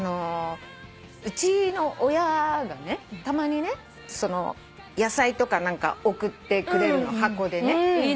うちの親がたまにね野菜とか何か送ってくれるの箱でね。